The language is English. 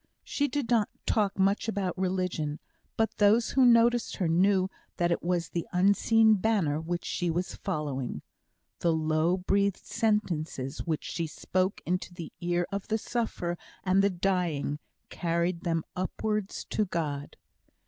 She did not talk much about religion; but those who noticed her knew that it was the unseen banner which she was following. The low breathed sentences which she spoke into the ear of the sufferer and the dying carried them upwards to God.